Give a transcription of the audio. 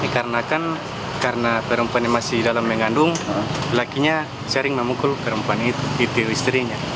karena perempuan yang masih dalam mengandung lakinya sering memukul perempuan itu istrinya